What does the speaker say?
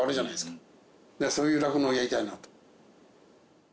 そういう酪農をやりたいなと。